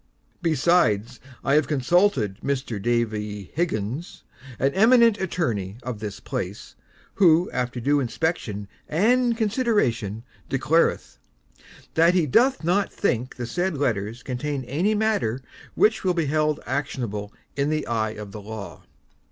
Besides, I have consulted Mr Davy Higgins, an eminent attorney of this place, who, after due inspection and consideration, declareth, That he doth not think the said Letters contain any matter which will be held actionable in the eye of the law.